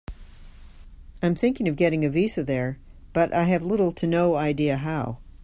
I'm thinking of getting a visa there but I have little to no idea how.